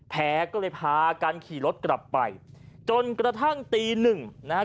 ก็เลยพากันขี่รถกลับไปจนกระทั่งตีหนึ่งนะฮะ